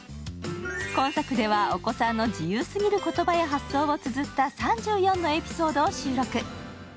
今作ではお子さんの自由すぎる言葉や発想をつづった３４のエピソードを収録。